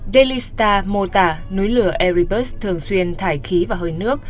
daily star mô tả núi lửa erebus thường xuyên thải khí và hơi nước